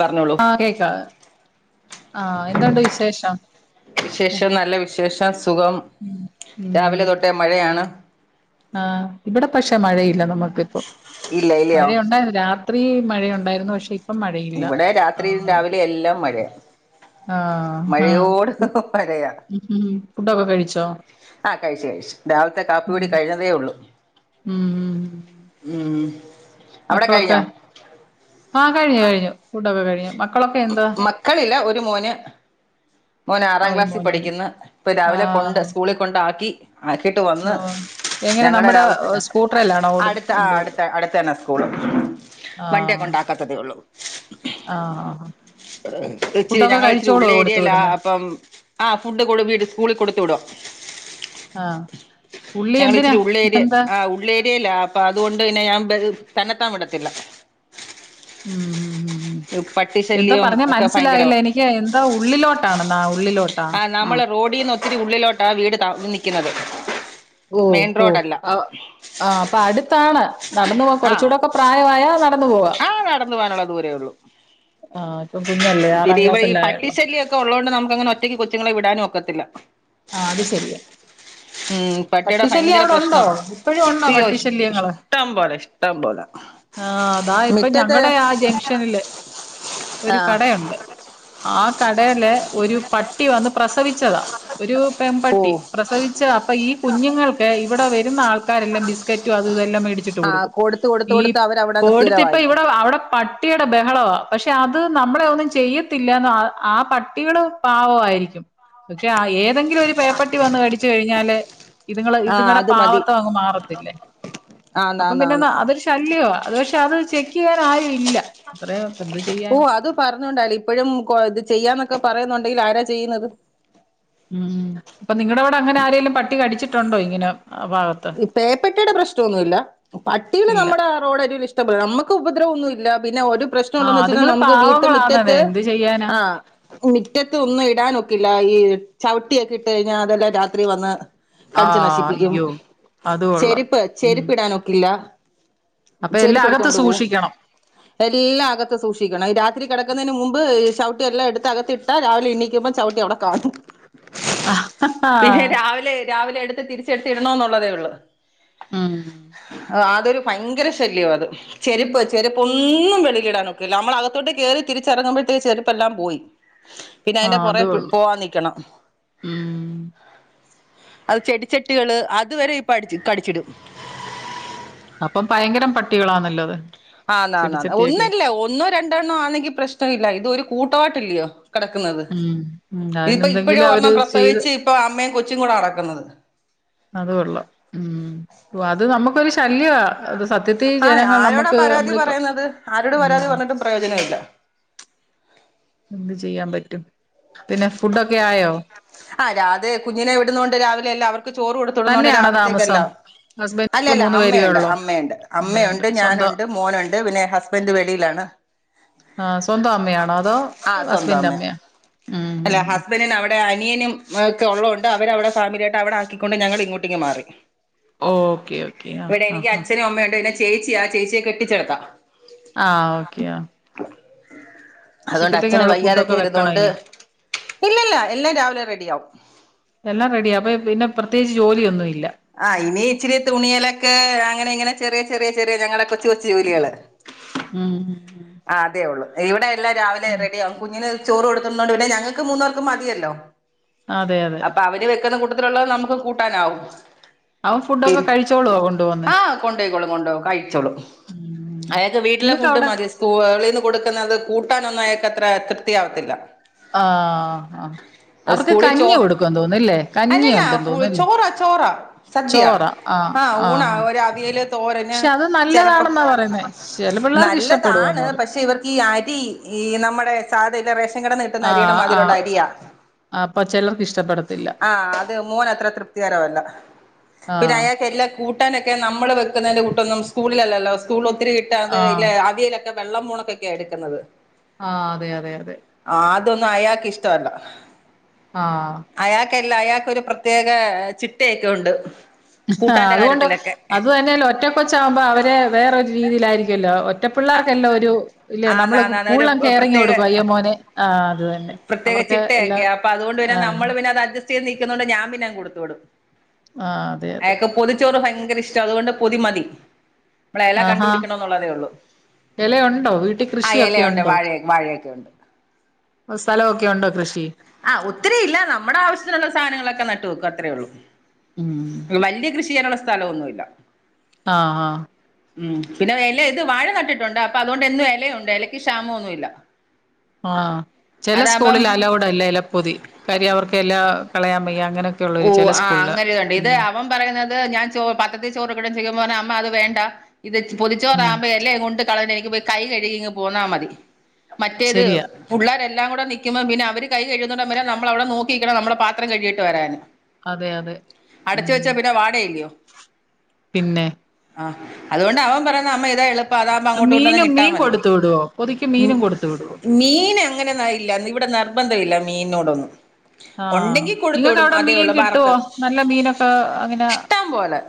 പറഞ്ഞോളൂ ആ കേക്കാം ആ എന്തുണ്ട് വിശേഷം വിശേഷം ഉം നല്ല വിശേഷം സുഖം ഉം രാവിലെ തൊട്ടേ മഴയാണ് ആ ഇവിടെ പക്ഷെ മഴയില്ല നമുക്കിപ്പോ ഇല്ല ഇല്ലയോ മഴയുണ്ടായിരുന്നു രാ ത്രി മഴയുണ്ടായിരുന്നു പക്ഷെ ഇ ഇവിടെ രാത്രിയും രാവിലെയും എല്ലാം മഴയ ആഹ് ആഹ് കുത് മ് ഫുഡൊക്കെ കഴിച്ചോ ആഹ് കഴിച്ചു കഴിച്ചു രാവിലത്തെ കാപ്പി ഉം കുടി കഴഞ്ഞതേ ഉള്ളു. ഉം ഉം. മ് മക്കളൊക്കെ ആഹ് കഴിഞ്ഞു കഴിഞ്ഞു ഫുഡൊ കഴിഞ്ഞ് മക്കളൊക്കെ എന്താ ഒരു മോന് മോന് ആ ആറാം ഒരു ക്ലാസ്സിൽ മോനേ ഉള്ളൂ പഠിക്കുന്ന് ഇപ്പൊ ആ രാവിലെ കൊണ്ട് സ്കൂളിൽ കൊണ്ടാക്കി ആക്കിട്ട് ഓ വന്ന് എങ്ങനെ ഞങ്ങടെ നമ്മുടെ രാവിലത്തെ സ്കൂട്ടറിലാണോ കൊടു അടുത്ത് ആ കൊണ്ട് അടുത്ത് അടുത്താണ് സ്കൂള് ഉം ആ വണ്ടിയൊക്കെ ഉണ്ടാക്കാത്തതേ ഉള്ളൂ ആ ആ. ഇച്ചിരി ഫുഡൊക്കെ ഞങ്ങൾ ഇച്ചിരി കഴിച്ചോളോ ഉള്ള് ഏരിയ കൊടുത്തു ല്ല വിടുന്നെ അപ്പം ആ ഫുഡ് കൊടുത്ത് സ്കൂളിൽ കൊടുത്തു വിടും ആഹ് പുള്ളി ഞങ്ങള് എന്തിനാ ഇച്ചിരി ഉള്ളയേരി എന്താ ആ ഉള്ളയേരി. ല്ലേല അപ്പൊ അതുകൊണ്ട് പിന്നെ ഞാൻ തന്നെത്താൻ വിടത്തില്ല. മ് മ് പട്ടി എന്താ ശല്യവും പറഞ്ഞേ ഒക്കെ മനസ്സിലായില്ല ഭയങ്കരവാ എനിക്ക് എന്താ ഉള്ളിലോട്ടണന്നോ ഉള്ളിലോ ആഹ് നമ്മള് റോഡിന്ന് ഒത്തിരി ഉള്ളിലോട്ടാ വീട് ത [unintelligible] നിൽക്കുന്നത് ഓ ഓ ആ അപ്പൊ അടുത്താ അ നടന്നുപോകാൻ കൊറച്ചുക്കൂടെ ഒക്കെ പ്രായവായാൽ നടന്നുപോ ആഹ് നടന്ന പോകാനുള്ളത് ദൂരേ ഉള്ളു ആഹ് ഇപ്പം കുഞ്ഞല്ലേ പിന്നെ ആറാം ഈവഴി ഈ ക്ലാസ്സല്ലേ ആയുള്ളൂ പട്ടിശല്യയൊക്കെ ഉള്ളോണ്ട് നമുക്ക് അങ്ങനെ ഒറ്റക്ക് കൊച്ചുങ്ങളെ വിടാനും ഒക്കത്തില്ല ആഹ് അത് സരിയാ ഉം പട്ടിയുടെ ഭയങ്കര പ്രശ്നം ഇപ്പഴും ഉണ്ടോ അയ്യോ ഇഷ് പട്ടിശല്യങ്ങള് ഇഷ്ടം പോലെ ആഹ് അതാ ഇപ്പൊ മിറ്റത്ത് ഞങ്ങടെ ആ ജംഗ്ഷനില് ആ ഒരു കടയുണ്ട് ആ കടയിലെ ഒരു പട്ടി വന്ന് പ്രസവിച്ചതാ ഒരു ഓ പെൺപട്ടി പ്രസവിച്ച അപ്പൊ ഈ കുഞ്ഞുങ്ങൾക്ക് ഇവിടെ വരുന്ന ആൾ ക്കാരെല്ലാം ബിസ്ക്കറ്റും അതുയിതുയെല്ലാം മേടിച്ചിട്ട് ആ കൊടുക്കും കൊടുത്ത് കൊടുത്ത് ഈ കൊടുത്ത് അവരവിടങ്ങ് കോടുത്തിപ്പോ സ്ഥിരവായി ഇവിടെ അവിടെ പട്ടി [unintelligible] ബഹളവാ പക്ഷെ അത് നമ്മളെ ഒന്നും ചെയ്യത്തില്ല ന്ന് ആ പട്ടികള് പാവയിരിക്കും പക്ഷെ ഏതെങ്കിലും ഒരു പേപ്പട്ടി വന്ന് കടിച്ചു കഴിഞ്ഞാല് ഇതുങ്ങള് ആ ഇതുങ്ങളുടെ അത് മതി പാവത്തം അങ്ങ് മാറത്തില്ലേ ആന്ന് അപ്പൊ ആന്ന് പിന്നെ ആന്ന് അതൊരു ശല്യവാ അത് പക്ഷെ അത് ചെക്ക് ഇ [unintelligible] ഓർ ആരു ഇല്ല ഇത്ര ഓ അത് പറഞ്ഞോണ്ടയല്ലേ ഇപ്പോഴും ഇത് ചെയ്യാന്നൊക്കെ പറയുന്നു ഇല് ആരാ ചെയ്യുന്നത് ഉം അപ്പൊ നിങ്ങളുടെ അവിടെ അങ്ങനെ ആരേങ്കലും പട്ടി കടിച്ചിട്ടുണ്ടോ ഇങ്ങനെ ആ ഭാഗത്ത് ഈ പേപ്പട്ടിയുടെ പ്രശ്നമൊന്നുല്ല പട്ടികളെ ഇല്ല നമ്മുടെ ആ റോഡ് അരികിലെ ഇഷ്ടം പോലെ നമുക്ക് ഉപദ്രവം ഒന്നും ലാ ബി ന്നാ ഒരു ആഹ് പ്രശ്നംഒള്ളാവെച്ച അതുങ്ങള് നമുക്ക് വീട്ട് പാവങ്ങളാന്നതെ മിറ്റത്ത് എന്ത് ചെയ്യാനാ അ മിറ്റത്ത് ഒന്ന് എ ഇടാനൊക്കില്ല ഈ ചവിട്ടിയൊക്കെ ഇട്ട് കഴിഞ്ഞാൽ അതെല്ലാം രാത്രിവന്ന് ആഹ് അയ്യോ അത് കൊള്ളാം ചെരുപ്പ് ഉം ചെരുപ്പ് ഇടാനൊക്കി ഇല്ല അപ്പൊ എല്ലാം ചെരുപ്പ് അകത്ത് എടുത്തോണ്ട് പോകും സൂക്ഷിക്കണം എല്ലാ അകത്തു സൂക്ഷിക്കണം രാത്രി കിടക്കുന്നതിനു മുമ്പ് ചവിട്ടി എല്ലാം എടുത്ത് അകത്തു ഇട്ടാൽ രാവിലെ എണീക്കുമ്പോ ചവിട്ടി അവിടെ കാണും ഹ് പിന്നെ രാവിലെ രാവിലെ എടുത്ത് തിരി ചെട്ടിയിടണോന്നൊള്ള തെ [inaudible] ഉം അതൊരു ഭയങ്കര ശല്യവാ അത് ചെരുപ്പ് ചെരുപ്പൊന്നും വെളീടാനൊക്കീല നമ്മളകത്തോട്ട് കയറി തിരിച്ചറങ്ങുമ്പോഴത്തേക്ക് ചെരുപ്പെല്ലാം പോയി പിന്നെ അയിന്റെ ആഹ് അത് പുറെ പ കൊള്ളാം പോവാനിക്കണം ഉം അത് ചെടിച്ചെട്ടികള് അതുവരെ പഠിച്ച് കടിച്ചിടും അപ്പം ഭയങ്കരം പട്ടികളാണല്ലോ അത് ആന്നാന്നാന്ന് ചെടിച്ചട്ടിയൊക്കെ ഒന്നല്ല ഒന്നോ രണ്ടെണ്ണോ ആണെങ്കി പ്രശ്നയില്ല ഇത് ഒരു കൂട്ടവായിട്ടല്ല്യോ കിടക്ക്ന്നത് ഉം ഉം ഇതിപ്പോ ഇപ്പഴും അതിനെന്തെങ്കിലും അവര് ഒരെണ്ണം ചെയ്ത് പ്രസവിച്ച് ഇപ്പൊ അമ്മയും കൊ ച്ചും കൂടാകടക്കുന്നത് അത് കൊള്ളാം ഉം ഓ അത് നമ്മ ആഹ് ആരോടാ നമുക്ക് പരാതി നമ്മളിപ്പം പറയുന്നത് ആരോട് പരാതി ഉം പറഞ്ഞിട്ടും പ്രയോജനമില്ല എന്ത് ചെയ്യാൻ പറ്റും പിന്നെ ഫുഡൊക്കെ ആയോ ആഹ് രാധേ കുഞ്ഞിനെ വിടുന്നോണ്ട് രാവിലെ എല്ലാം അവർ ക്ക് ചോറ് കൊടുത്ത് വിടുന്നോണ്ട് തന്നെയാണോ താമസം രാവിലത്തേക്കെല്ലാവും ഹസ്ബൻഡ് അല്ലല്ല മൂന്ന് പേരുവേ അമ്മയുണ്ട് ഉള്ളോ അമ്മയുണ്ട് അമ്മയുണ്ട്, ഞാനുണ്ട്, മോനുണ്ട് പിന്നെ ഹുസ്ബൻഡ് വെളയിലാണ് ആ സ്വന്തം അമ്മയാണോ അതോ ആ സ്വന്തം അമ്മയാ ഉം അല്ല ഹസ്ബന്റിന് അവി [unintelligible] അനിയനും ഒക്കെ ഒള്ളോണ്ട് അവരവിടെ ഫാമിലിയായിട്ട് അവിടെ ആക്കിക്കൊണ്ട് ഞങ്ങൾ ഇങ്ങോട്ടിങ്ങ് മാറി ഓക്കെ ഓക്കേ ആ ഇവിടെ എനിക്ക് ആഹ് ആഹ് അച്ഛനും അമ്മയുണ്ട് പിന്നെ ചേച്ചിയാ ചേച്ചിയെ കെട്ടിച്ചെടുത്താ ആഹ് ഓക്കെയാ അതുകൊണ്ട് അച്ഛന് വയ്യാതൊക്കെ വെക്കണോ ഇരുന്നൊണ്ട് ഇനി ഇല്ലല്ല എല്ലാം രാവി എല്ലാം റെഡിയാ അപ്പൊ പി പിന്നെ പ്രതേകിച്ച് ജോലിയൊന്നുയി ആഹ് ഇനി ഇച്ചിരി തുണിയലൊക്കെ അങ്ങനെ ഇങ്ങനെ ചെറിയ ചെറിയ ചെറിയ ഞങ്ങളെ കൊച്ച് കൊച്ചു ജോലികള് ഉം ഉം ആ അതേ ഒള്ളു ഇവിടെ ല്ലാ രാവിലെ റെഡിയാകും കുഞ്ഞിന് ചോറ് കൊടുക്കുന്നത് കൊണ്ട് പിന്നെ ഞങ്ങക്ക് മൂന്നോർക്കും മതിയല്ലോ അതെ അതെ ചെല കൂട്ടത്തിലുള്ളത് നമുക്ക് കൂട്ടാനാവും അവൻ പി ഫുഡൊക്കെ കഴിച്ചോളുവോ കൊണ്ടുവന്ന് ആഹ്‌ കൊണ്ടോയിക്കോളും കൊണ്ടുപോകും കഴിച്ചോളും ഉം അയാൾക്ക് വീട്ടിലെ നിങ്ങക്ക് ഫുഡ് അവിടെ മതി സ് [unintelligible] ളീന്ന് കൊടുക്കുന്നത് കൂ കിട്ടാനൊന്നും അയാക്കത്ര തൃപ്തി ആവത്തില്ല ആഹ് ആ അവർക്ക് സ്കൂളിൽ ചോ കഞ്ഞി കൊടുക്കുംന്ന് തോന്നുവല്ലേ കഞ്ഞി അല്ലല്ല ഒണ്ട് തോന്നുവല്ലേ ചോറ ചോറ സദ്യ ചോറ ആഹ് ഊണാ ആഹ് ആഹ് ഒരവിയല് തോരന് പക്ഷെ അത് നല്ലതാണെന്നാ പറയുന്നേ ചില പിള്ളേർക്ക് ഇഷ്ട താണ് പക്ഷെ ഇവർക്ക് ഈ അരി ഈ നമ്മുടെ സാധല്ലെ റേഷൻ കടേന്ന് കിട്ടുന്ന അരിടെ ആഹ് മാതിരുള്ള ആഹ് അരിയാ അപ്പൊ ചിലർക്ക് ഇഷ്ടപ്പെടത്തില്ല ആ അത് മോനത്ര തൃപ്തികരല്ല പിന്നെ ആഹ് അയാൾക്ക് എല്ലാം കൂട്ടാനൊക്കെ നമ്മള് വെക്കുന്നതിന്റെ കൂട്ടൊന്നും സ്കൂളിലല്ലല്ലോ സ്കൂള കിട്ടാത്ത ആഹ് ഇല്ലേ അവിയലൊ വെള്ള മുളകൊക്കെ എടുക്കുന്നത് ആഹ് അതെ അതെ അതെ ആഹ് അതൊന്നും അയാക്ക് ഇഷ്ടമല്ല ആഹ് എല്ല അയാക്കൊരു പ്രത്യേകാ ചിട്ടേക്ക ഒണ്ട് ഇഹ്ആ അതുകൊണ്ട് അത് തന്നെല്ല ഒറ്റ കൊച്ചാവ്മ്പോ അവര് വേറൊരു രീതിയിലായിരിക്കുമല്ലോ മറ്റേ പിള്ളേർക്കെല്ലോ ഒരു ഇല്ലേ നമ്മള് ആന്നാന്നാന്ന് ഒരു കൂടുാം കയറങ്ങി പ്രത്യേക കൊടുക്കും അയ്യമോന് ആ അത് തന്നെ പ്രത്യേക അവർക്ക് എല്ലാം ചിട്ടയൊക്കെയാ ആ ക്കുന്നുണ്ട് ഞാൻ പിന്നെ അങ്ങ് കൊടുത്തു വിടും ആഹ് അതെ അതെ ചോറ് ഭയങ്കര ഇഷ്ടാ അതുകൊണ്ട് പൊതിമതി നമ്മളെല് കണ്ടുപിടിക്കണോ ന്നൊള്ളതേ ഒള്ളൂ എല ഒണ്ടോ വീട്ടി കൃഷിയൊക്കെണ്ടോ വാഴ വാഴയൊക്കെ ഉണ്ട് സ്ഥ ലോ ഒക്കെ ഒണ്ടോ കൃഷി ആഹ് ഒത്തിരി ഇല്ല നമ്മട ആവശ്യത്തിനുള്ള സാധനങ്ങളൊക്കെ നട്ട് വെക്കും അത്രേ ഒള്ളു. ഉം മ്ം വല്യ കൃഷിയ്യാനുള്ള സ് സ്ഥലോന്നു ഇല്ല ആഹ് ആഹ് ഉം പിന്നെ എല ഇത് വാഴ നട്ടിട്ടൊണ്ട് അപ്പ അതുകൊണ്ട് എന്നും എല ഒണ്ട്. എലയ്ക്ക് ക്ഷാമോന്നു ഇല്ല ആഹ് ചെല സ്കൂളിൽ അലോവ്ഡല്ലേ പൊതി കാര്യം അവർക്കെ എല കളയാൻ വയ്യ അങ്ങനെയൊക്കെ ഓ ഉള്ളൊരു ചില ആഹ് സ്കൂളില് അങ്ങനെ ഇതുണ്ട് ഇത് ഉം അവൻ പറയുന്നത് ഞാൻ ചോ പാത്റത്തി ചോറ് കൊട്ത്തേക്ക്മ്പ പറഞ്ഞ് അമ്മ അത് വേണ്ട ണ്ട അ ഇത് ഉം പൊതിച്ചോറാവ്മ്പ എലേം കൊണ്ട് കളഞ്ഞേ ങ്ങ് പോയ് കൈ കഴ്കി ഇങ്ങ് പോന്നാ മതി മറ്റേത് ശരിയാ പുള്ളേരെല്ലാം കൂടെ നി യ്ക്ക്മ്പ പിന്ന അവര് കൈ കഴ്‌ക്ന്നടം വരെ നമ്മളവിട നോക്കിയിക്കണം നമ്മള പാത്രം കഴികിട്ട് വരാന് അതെ അതെ അടച്ചു വെച്ചാ മ്ഹ് പിന്നെ വാടയില്ലയോ പിന്നെ ആ അതുകൊണ്ട് അവൻ പറയുന്നെ അമ്മേ ഇത് എളു പ്പാ അതാകുമ്പോ അങ്ങോട്ട്കൊണ്ടൊന്നു മീനും മീൻ ഇട്ടാമതി കൊടുത്തു വിടുവോ പൊതിക്ക് മീനും കൊടുത്തു വിടുവോ മീൻ അങ്ങനെ ഒന്നുമായില്ല ഇവിടെ നിർ നിർബന്ധമില്ല മീനിനോടൊന്നും ആഹ് നിങ്ങക്ക് അവ അതേയുള്ളു ബറക്ക് അങ്ങനെ ഇഷ്ടം പോലെ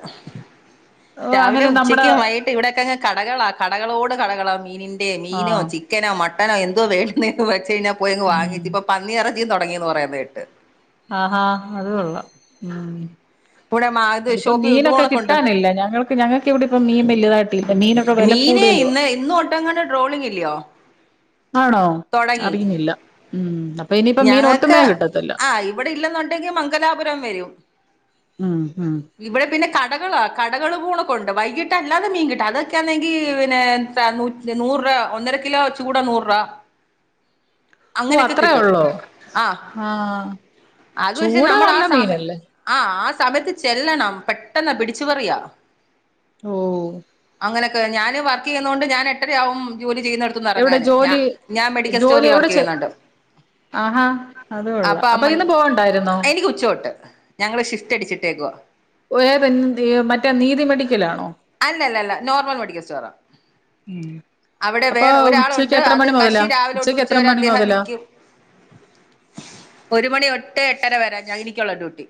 അങ്ങനെ രാവിലേം നമ്മുടെ ഉച്ചക്കും വൈകിട്ടും ഇവിടൊക്കെ അങ്ങ് കടകളാ കടകളോട് കടകളാ മീനിന്റേം മീനോ ആഹ് ചിക്കനോ മ ട്ടനോ എന്തോ വേണ്ടേന്നുവെച്ചു കഴിഞ്ഞാ പോയങ്ങ് ഉം വാങ്ങിക്ക് ഇപ്പോ പന്നിയിറ തുടങ്ങിന്ന് പറയുന്ന കേട്ട് ആഹാ അത് കൊള്ളാം ഉം ഇവിടെ മാ ഇത് അതിപ്പോ ഷോപ്പി ഇത് മീനൊക്കെ പോണക്കുണ്ട് കിട്ടാനില്ല ഞങ്ങൾക്ക് ഞങ്ങൾക്ക് ഇവിടെ ഇപ്പ മീൻ വലുതായിട്ടല്ല മീനൊക്കെ വില മീന് കൂടുതലുവാ ഇന്ന് ഇന്ന് ഒട്ടങ്ങാണ്ട് ട്രോളിങ് ഇല്ലയോ ആണോ തുടങ്ങി അറിയുന്നില്ല ഉം അപ്പൊ ഇനിപ്പോ മീൻ ഞങ്ങക്ക് ഒട്ടുമേ കിട്ടത്തില്ല ആ ഇവിടെ ഇല്ലെന്നുണ്ടെങ്കിൽ മംഗലാപുരം വരും ഉം ഉം ഇവിടെ പിന്നെ കട- ടകള കടകൾ പൂണക്കണ്ട് വൈകിട്ട് അല്ലാതെ മീൻ കിട്ട അതൊക്കെയാന്നെങ്കി പിന്നെ നൂറ രൂപ ഒന്നര കിലോ ചൂട നൂറ് രൂപ ഓ അങ്ങനെയൊക്കെ അത്രയേ കിട്ടും ഉള്ളോ ആ ആഹ് ചൂട നല്ല മീനല്ലേ ആഹ് ആ സമയത്ത് ചെല്ലണം പെട്ടെന്ന് പിടിച്ചു പറിയാ ഓ അങ്ങനെയൊക്കെ ഞാന് വർക്ക് ചെയ്യുന്നതകൊണ്ട് ഞാൻ എട്ടരയാവും- ജോലി എവിടെ ചെയ്യുന്നടുത്തുനിന്ന്റങ്ങാന് ഞ ജോലി ഞാൻ മെഡിക്കൽ ജോലി സ്റ്റോറിൽ എവിടെ വർക്ക് ചെ ചെയ്യുന്നുണ്ട് ആഹാ അത് കൊള്ളാം അപ്പൊ അമ ഇന്ന് പോവണ്ടായിരുന്നോ എനിക്ക് ഉച്ചതൊട്ട് ഞങ്ങള് ഷിഫ്റ്റ് അടിച്ചിട്ടേക്കുവാ വേറെന്തിയെ മറ്റേ നീതി മെഡിക്ക- അല്ലല്ല നോർമൽ മെഡിക്കൽ സ്റ്റോറാ അവിടെ അപ്പൊ വേറെ ഉച്ചക്ക് ഒരാളുണ്ട് എത്ര അത് മണി മുതലാ കഷി രാവിലെ തൊട്ട് ഉച്ചക്ക് ഉച്ച എത്ര വരെ മണി അദ്ദേഹം മുതലാ നിക്കും ഒരു മണി തൊട്ട് എട്ട ര വരെ ഞാൻ എനിക്കൊളള ഡ്യൂട്ടി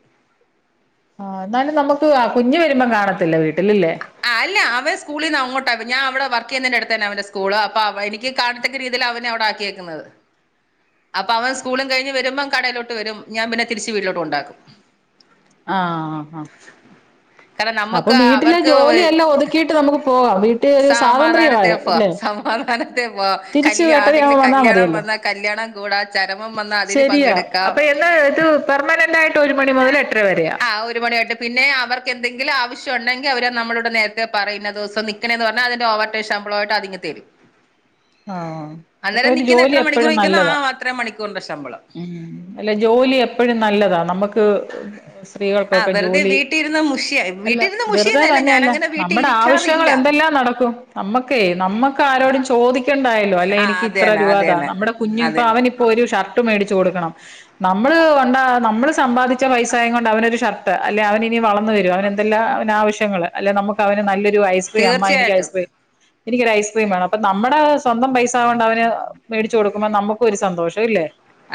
ആ എന്നാലും നമ്മുക്ക് കുഞ്ഞ് വരുമ്പോം കാണത്തില്ല വീട്ടിലല്ലേ ആ അല്ല അവൻ സ്കൂളിൽ നിന്ന് അങ്ങോട്ടാ ഞാൻ അവിടെ വർക്ക് ചെയ്യുന്നതിന്റെ അടുത്തുതന്നെയാ അന്റെ സ്കൂള് അപ്പൊ അവ എനിക്ക് കാണത്തക്ക രീതിയിൽ അവനെ അവിടെ ആക്കിയേക്കുന്നത് അപ്പൊ അവൻ സ്കൂളും കഴിഞ്ഞ് വരുമ്പോം കടയിലോട്ട് വരും ഞാൻ പിന്നെ തിരിച്ച് വീട്ടിലോട്ട്കൊണ്ടാക്കും. ആഹ് ആ കാരണം അപ്പൊ നമ്മക്ക് വീട്ടിലെ അവർക്ക് ജോലിയെല്ലാം ഒതുക്കിയിട്ട് നമുക്ക് പോകാം വീട്ടിൽ ഒരു സ്വാതന്ത്ര്യ ആ ഇല്ലെ പോവ കല്യാ ആരുടെയെങ്കിലും കല്യാണം വന്നാ കല്യാണം കൂടാ ചരമം വന്നാ അതിന് ശരിയാ പങ്കെടുക്കാം അപ്പൊ എന്താ ഇത് പെർമനന്റ് ആയിട്ട് ഒരു മണി മുതൽ എട്ടര വരെയാ ന്തെങ്കിലും ആവശ്യണ്ടെങ്കിൽ അവര് നമ്മളൊട് നേരത്തെ പറയും ഇന്ന ദിവസം നിക്കണേന്ന് പറഞ്ഞാ അതിന്റെ ഓവർ ടൈം ശമ്പളായിട്ട് അതിങ്ങ് തരും ആഹ് ഇപ്പൊ അന്നേരം ഒരു നിക്കുന്ന ജോലി എത്ര മണിക്കൂർ എപ്പഴും നിക്കുന്നോ ആ നല്ലതാ അത്രയും മണിക്കൂറിന്റെ ശമ്പളം ഉം അല്ല ജോലി എപ്പഴും നല്ലതാ നമ്മക്ക് [unintelligible] ആ സ്ത്രീകൾക്കൊക്കെ വെറുതെ ജോലി വീട്ടിലിരുന്ന് മുഷിയ അല്ല വീട്ടിലിരുന്ന് വെറുതെ മുഷിയുന്നതല്ല തന്നെയല്ല ഞാനങ്ങനെ വീട്ടിൽ നമ്മടെ ആവശ്യങ്ങൾ ഇരിക്കാറില്ല എന്തെല്ലാം നടക്കും നമ്മക്കേ നമ്മക്ക് ആരോടും ചോദിക് ക്ക്‌ണ്ടായല്ലോ അല്ലെ ആ എനിക്ക് ഇത്ര അതെന്നെ രൂപതാ അതെന്നെ നമ്മുടെ കുഞ്ഞ് ഇപ്പൊ അതെ അവനിപ്പോ ഒരു ഷർട്ട് മേടിച്ചു കൊടുക്കണം നമ്മള് കൊണ്ടാ നമ്മള് സമ്പാദിച്ച പൈസായ കൊണ്ട് അവനൊരു ഷർട്ട് അല്ലെ അവനിനി വള ന്നുരും അവെനെന്തെല്ല അവ നാവശ്യ ശ്യങ്ങള് അല്ലെ നമുക്ക് അവനെ നല്ലൊ രു ഐസ്ക്രീം അമ്മ എനിക്ക് തീർച്ചയായിട്ടും ഐസ്ക്രീം എനിക്കൊരു ഐസ്ക്രീം വേണം അപ്പ നമ്മടെ പൈസാകൊണ്ട് അവന് മേടിച്ചു കൊടു കുമ്മം നമ്മുക്ക് ഒരു സന്തോഷം ഇല്ലേ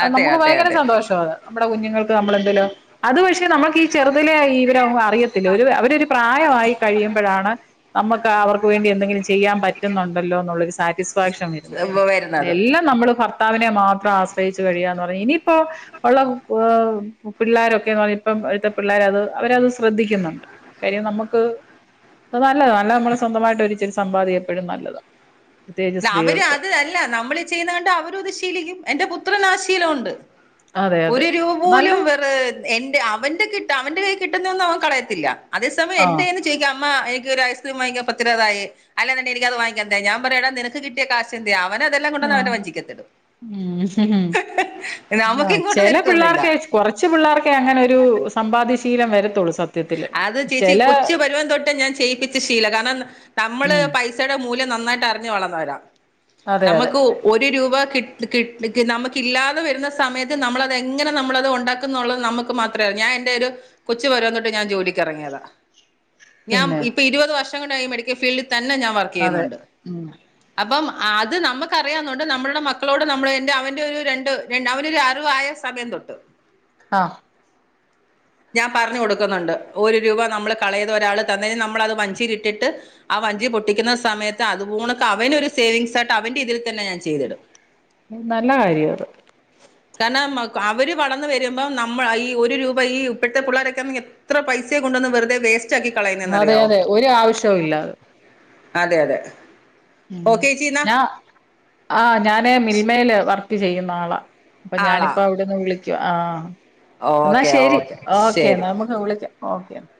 അതെ നമുക്ക് അതെ ഭയങ്കര അതെ സന്തോഷാത്. നമ്മുടെ കുഞ്ഞുങ്ങൾക്ക് നമ്മളെന്തേലു അത്പക്ഷേ നമുക്ക് ഈ ചെറുതിലെ ഈ വരൊന്നും അറിയത്തില്ല ഒരു അവരൊരു പ്രായമായി കഴിയുമ്പോഴാണ് നമ്മക്ക് ക്കാവർക്ക് വേണ്ടി എന്തെങ്കിലും ചെയ്യാൻ പറ്റുന്നുണ്ടല്ലോ എന്നുള്ളൊരു സാറ്റിസ്‌ ഫാക്ഷൻ വരുന്നത്. വരുന്നത് ലെല്ലാം നമ്മള് ഫർ നെ മാത്രം ആശ്രയിച്ചു കഴിയുയാന്ന് പറ ഇനി പ്പൊ ഉള്ള [unintelligible] പിള്ളോരൊക്കെന്ന് പറഞ്ഞ ഇപ്പം ഴത്തെ പിള്ളേര് അത് അവരത് ശ്രദ്ധിക്കുന്നുണ്ട് കാര്യം നമക്ക് അത് നല്ലത നല്ല നമ്മള് സ്വന്തമായിട്ടൊരു [unintelligible] സമ്പാദ്യ എപ്പഴും നല്ലത. ല്ല അവര് അത് അല്ല നമ്മള് ചെയ്യുന്നകണ്ട് അവരും അത് ശീലിക്കും എന്റെ പുത്രനാശി ക്കിനോണ്ട്. അതെ അതെ ഒരു നല്ല രൂപോലും വെറ് എന്റെ അവന്റെ കിട്ട് അവന്റെ കൈ കിട്ടുന്നയൊന്നും അവൻ കളയത്തില്ല. അതേസമയം ആഹ് എന്റെന്ന് ചോയിക്കും അമ്മ എനിക്കൊരു ഐസ്ക്രീം വാങ്ങിക്കാ പത്തുരൂപ തായേ അല്ലേ വേണ്ട എനിക്കത് വാങ്ങിക്കണ്ട ഞാൻ പറഞ്ഞെടാ നിനക്ക് നക്ക് കിട്ടിയ കാശെന്തെയാ. ആ ആ നമുക്ക് ഇങ്ങോട്ട് ചെല തരത്തൊന്നുമില്ല പിള്ളേർക്കെ കൊറച്ച് പിള്ളേർക്കെ അങ്ങനെ ഒരു സമ്പാദി ഷീ ശീലം വരെത്തുള്ളൂ. അത് ചേച്ചി കൊച്ചു പരുവൻ തൊട്ട് ഞാൻ ചെയ്യിപ്പിച്ച ശീലം കാരണം നമ്മള് ഉം പൈസയുടെ മൂല്യം നന്നായിട്ട് അറിഞ്ഞ് വളർന്നവരാ. അതെ അതെ നമക്ക് ഒരു രൂപ കിട്ട് കിട്ട് കി നമക്ക് ഇല്ലാതെ വരുന്ന സമയത്ത് നമ്മളത് എങ്ങനെ നമ്മളത് ഉണ്ടാക്കുന്നുള്ളത് നമക്ക് മാത്രെ ഞാൻ എന്റെ ഒരു കൊച്ചുപരുവം തൊട്ട് പ്പ ഞാൻ ജോലിക്ക് ഇറങ്ങിയതാ. ഞാൻ പിന്നെ ഇപ്പ ഇരുപത് വർഷം ഷാണ്ടായി മെഡിക്കൽ ഫീൽഡ് തന്നെ ഞാൻ വർക്ക് അതെ ചെയ്യുന്നുണ്ട്. ഉം അപ്പം അത് നമുക്കറിയാന്നോണ്ട് നമ്മളുടെ മക്കളോട് നമ്മള് എന്റെ അവന്റെ ഒരു രണ്ട് രണ്ട് അവനൊരു അറിവായ സമയം തൊട്ട് ആഹ് ഞാൻ പറഞ്ഞു കൊടുക് ക്കുന്നുണ്ട് ഒരു രൂപ നമ്മള് കളയരുത് ഒരാൾ തന്നത് നമ്മളത് വഞ്ചിയിലിട്ടിട്ട് ആ വഞ്ചി പൊട്ടിക്കുന്ന സമയത്ത് അത് പോണക്ക് അവനൊരു സേവിങ്സ് ആയിട്ട് അവന്റെ ഇതിൽ തന്നെ ഞാൻ ചെയ്തിടും. നല്ല കാര്യ അത് കാരണം മക് അവര് വളർന്ന് വരുമ്പോം നമ്മള ഈ ഒരു രൂപ ഈ ഇപ്പോഴത്തെ പിള്ളേരൊക്കെന്ന് എത്ര പൈസയാ കൊണ്ടന്ന് വെറുതെ വേസ് അതെ അതെ ഒരു ആവിശ്വോ ഇല്ല അത് അതെ അതെ ഉം ഓക്കെ ചേച്ചി എന്നാ ഞാ ആ ഞാന് മിൽമയില് വർക്ക് ചെയ്യുന്ന ആളാ അപ്പൊ ആളാ ഞാനിപ്പ അവിടെന്ന് വിളിക് ച്ചു ആഹ് എന്നാ ഓക്കെ ശരി ഓക്കെ ശരി ഓക്കെന്നാ നമുക്ക് വിളിക്കാം ഓക്കെ ന്നാ